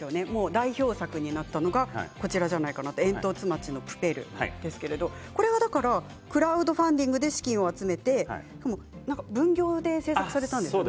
代表作になったのが「えんとつ町のプペル」ですけれどこれはだからクラウドファンディングで資金を集めて分業で制作されたんですよね。